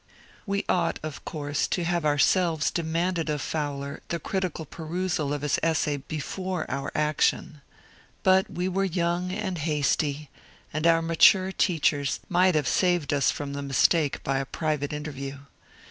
We ought of course to have ourselves demanded of Fowler the critical perusal of his essay before our action. But we were young and hasty, and our mature teachers might have saved us from the mistake by a private interview.